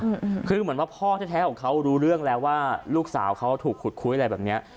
อืมคือเหมือนว่าพ่อแท้แท้ของเขารู้เรื่องแล้วว่าลูกสาวเขาถูกขุดคุยอะไรแบบเนี้ย